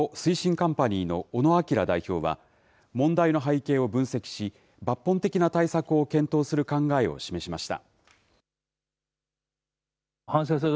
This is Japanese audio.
カンパニーの小野明代表は、問題の背景を分析し、抜本的な対策を検討する考えを示しました。